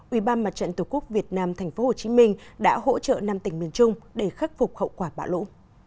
ubnd tqvnhh đã hỗ trợ năm tỉnh miền trung để khắc phục hậu quả bão lũ